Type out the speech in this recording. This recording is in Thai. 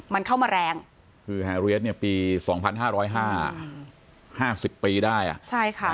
มันเข้ามาแรงคือแฮเรียสเนี่ยปีสองพันห้าร้อยห้าห้าสิบปีได้อ่ะใช่ค่ะ